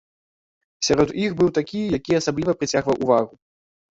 Сярод іх быў такі, які асабліва прыцягваў увагу.